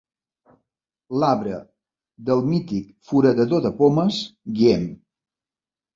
L'arbre del mític foradador de pomes Guillem.